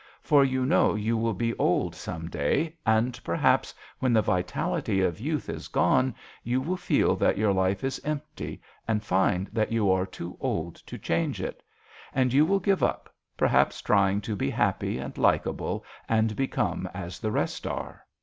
" For you know you will be old some day, and perhaps when the vitality of youth is gone you will feel that your life is empty and find that you are too old to change it ; and you will give up, perhaps, trying to be happy and likeable and become as the rest are.